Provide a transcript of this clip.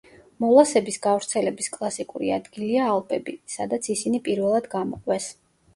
მოლასების გავრცელების კლასიკური ადგილია ალპები, სადაც ისინი პირველად გამოყვეს.